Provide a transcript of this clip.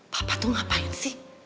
papa tuh ngapain sih